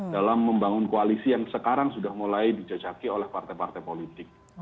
dalam membangun koalisi yang sekarang sudah mulai dijajaki oleh partai partai politik